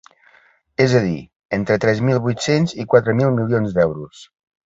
És a dir, entre tres mil vuit-cents i quatre mil milions d’euros.